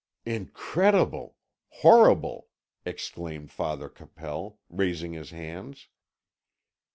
"Incredible horrible!" exclaimed Father Capel, raising his hands.